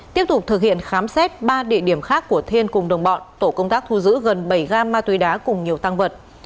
tiếp tục thực hiện khám xét ba địa điểm khác của thiên cùng đồng bọn tổ công tác thu giữ gần bảy gam ma túy đá cùng nhiều tăng vật